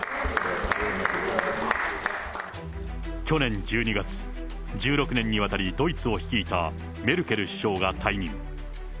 去年１２月、１６年にわたりドイツを率いたメルケル首相が退任。